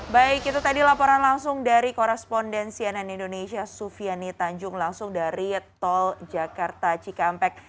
baik itu tadi laporan langsung dari koresponden cnn indonesia sufiani tanjung langsung dari tol jakarta cikampek